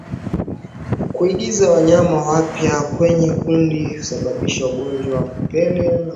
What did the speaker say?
Kuingiza wanyama wapya kwenye kundi husababisha ungojwa wa mapele ya ngozi kwa ngombe